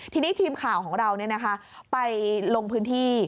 ทีนี้ทีมข่าวของเราเนี่ยนะคะไปลงพื้นที่